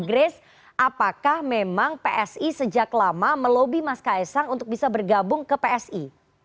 grace apakah memang psi sejak lama melobi mas kaisang untuk bisa bergabung ke psi